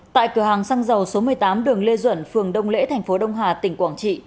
tại cửa hàng xăng dầu số một mươi tám đường lê duẩn phường đông lễ thành phố đông hà tỉnh quảng trị